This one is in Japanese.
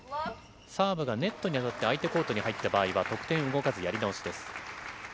サーブがネットに当たって相手コートに入った場合は、得点動かず、やり直しです。